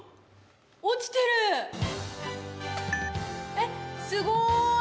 えっすごーい！